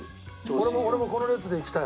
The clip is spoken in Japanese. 俺もこの列でいきたい。